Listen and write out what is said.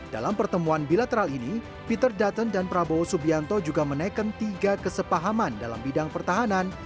dalam pertemuan bilateral ini peter dutton dan prabowo subianto juga menaikkan tiga kesepahaman dalam bidang pertahanan